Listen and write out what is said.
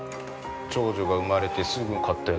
長女が産まれてすぐ買ったやつ。